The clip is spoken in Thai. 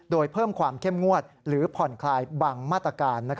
โดยเพิ่มความเข้มงวดหรือผ่อนคลายบางมาตรการ